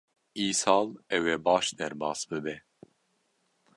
Îsal ew ê baş derbas bibe.